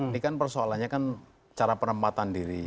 ini kan persoalannya kan cara penempatan diri